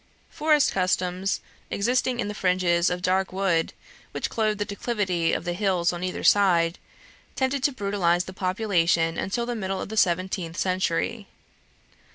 Forest customs, existing in the fringes of dark wood, which clothed the declivity of the hills on either side, tended to brutalize the population until the middle of the seventeenth century.